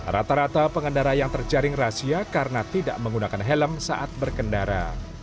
rata rata pengendara yang terjaring rahasia karena tidak menggunakan helm saat berkendara